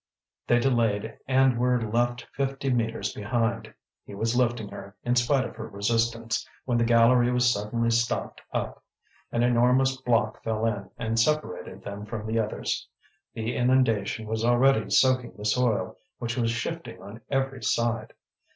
They delayed and were left fifty metres behind; he was lifting her, in spite of her resistance, when the gallery was suddenly stopped up; an enormous block fell in and separated them from the others. The inundation was already soaking the soil, which was shifting on every side.